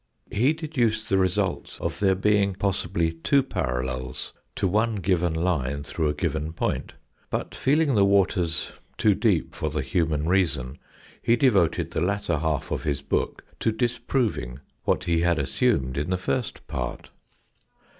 He deduced the results of there being possibly two parallels to one given line through a given point, but feeling the waters too deep for the human reason, he devoted the latter half of his book to disproving what he had assumed in the first part.